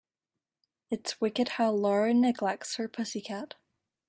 It's wicked how Lara neglects her pussy cat.